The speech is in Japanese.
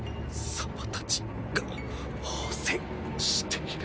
様たちが応戦している。